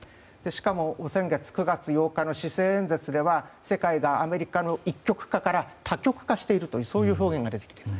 しかも、先月９月８日の施政演説では世界がアメリカの一極化から多極化しているというそういう表現が出てきている。